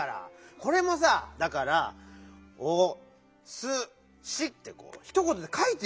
これもさだから「おすし」ってひとことでかいてよ！